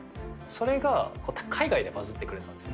それが海外でバズってくれたんです。